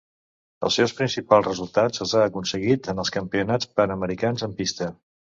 Els seus principals resultats els ha aconseguit en els Campionats Panamericans en pista.